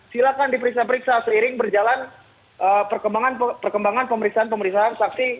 silakan diperiksa periksa seiring berjalan perkembangan pemeriksaan pemeriksaan saksi